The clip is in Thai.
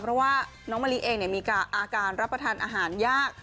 เพราะว่าน้องมะลิเองมีอาการรับประทานอาหารยาก